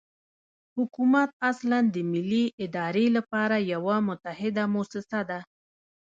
حکومت اصلاً د ملي ادارې لپاره یوه متحده موسسه ده.